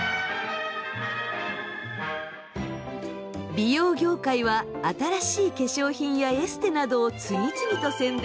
美容業界は新しい化粧品やエステなどを次々と宣伝。